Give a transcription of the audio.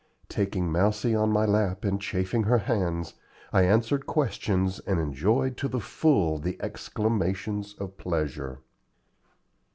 Taking Mousie on my lap, and chafing her hands, I answered questions and enjoyed to the full the exclamations of pleasure.